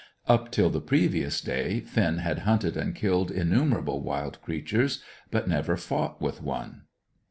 (Up till the previous day, Finn had hunted and killed innumerable wild creatures, but never fought with one.)